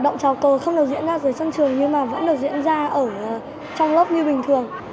nhưng mà vẫn được diễn ra ở trong lớp như bình thường